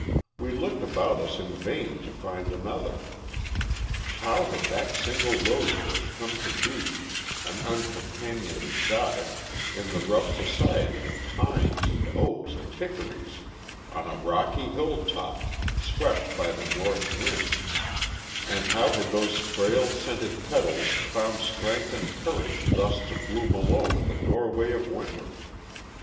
We looked about us in vain to find another. How had that single rose bush come to be, an uncompanioned exotic, in the rough society of pines and oaks and hickories, on a rocky hill top swept by the North wind, and how had those frail, scented petals found strength and courage thus to bloom alone in the doorway of Winter?